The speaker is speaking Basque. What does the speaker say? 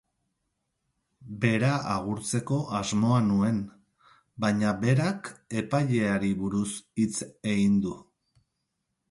Bera agurtzeko asmoa nuen, baina berak epaileari buruz hitz ehin du.